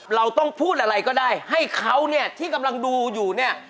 เราต้องพูดอะไรก็ได้ให้เขาเนี่ยที่กำลังดูอยู่เนี่ย